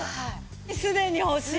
すでに欲しい！